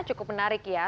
cukup menarik ya